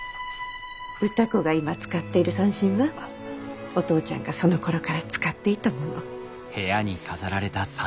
歌子が今使っている三線はお父ちゃんがそのころから使っていたもの。